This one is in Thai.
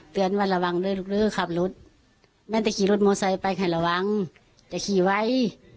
เตือนว่าระวังเรื่อยขับรถแม่นแต่ขี่รถโมเซย์ไปให้ระวังจะขี่ไว้